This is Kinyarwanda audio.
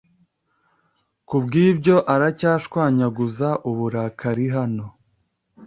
Kubwibyo aracyashwanyaguza uburakari hano